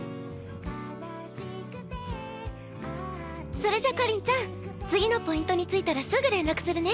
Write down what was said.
それじゃ夏凜ちゃん次のポイントに着いたらすぐ連絡するね。